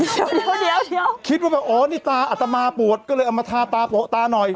เดี๋ยวคิดว่าแบบโอ้นี่ตาอัตมาปวดก็เลยเอามาทาตาโปะตาหน่อย